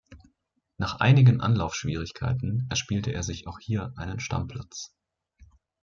Nach einigen Anlaufschwierigkeiten erspielte er sich auch hier einen Stammplatz.